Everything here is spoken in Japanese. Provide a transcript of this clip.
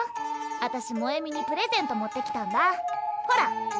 あたし萌美にプレゼント持ってきたんだほら。